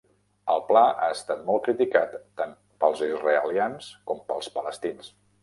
El pla ha estat molt criticat tant pels israelians com pels palestins.